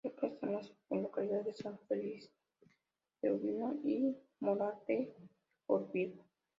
Cerca están las localidades de San Feliz de Órbigo y Moral de Órbigo.